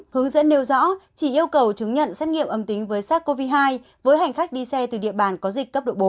hướng dẫn nêu rõ chỉ yêu cầu chứng nhận xét nghiệm âm tính với sars cov hai với hành khách đi xe từ địa bàn có dịch cấp độ bốn